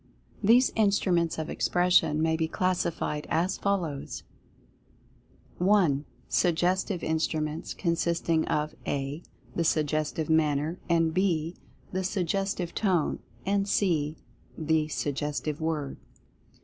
These instruments of Expression may be classified as follows: Direct Personal Influence 207 1. Suggestive Instruments, consisting of (a) The Suggestive Manner, and (b) The Suggestive Tone, and (c) The Suggestive Word, 2.